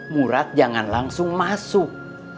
murad jangan langsung masuk